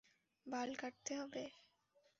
বাল কাটতে হবে?